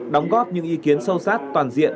đóng góp những ý kiến sâu sát toàn diện